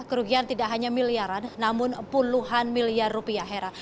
kerugian tidak hanya miliaran namun puluhan miliar rupiah hera